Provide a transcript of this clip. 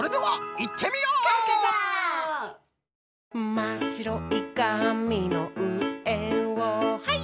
「まっしろいかみのうえをハイ！」